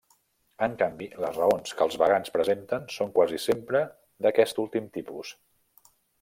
En canvi, les raons que els vegans presenten són quasi sempre d'aquest últim tipus.